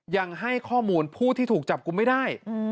ยังให้ข้อมูลผู้ที่ถูกจับกลุ่มไม่ได้